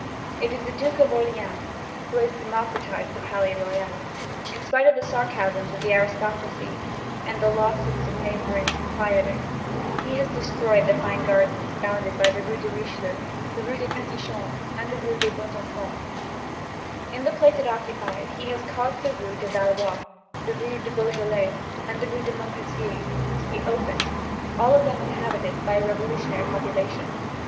It is the Duke of Orleans who has democratized the Palais Royal. In spite of the sarcasms of the aristocracy and the lawsuits of neighboring proprietors, he has destroyed the fine gardens bounded by the rue de Richelieu, the rue des Petit Champs, and the rue des Bons Enfants. In the place it occupied he has caused the rue de Valois, the rue de Beaujolais, and the rue de Montpensier to be opened, all of them inhabited by a revolutionary population.